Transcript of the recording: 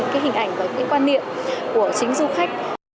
cái hình ảnh và cái quan niệm của chính du khách